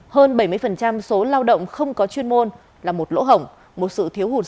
hơn bảy mươi số lao động không có chuyên môn là một lỗ hổng một sự thiếu hụt sức đáng lo